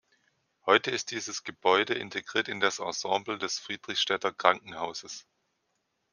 Heute ist dieses Gebäude integriert in das Ensemble des Friedrichstädter Krankenhauses.